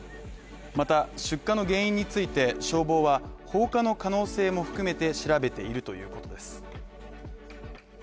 また、出火の原因について消防は放火の可能性も含めて調べているということです